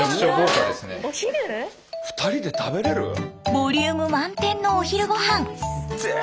ボリューム満点のお昼御飯。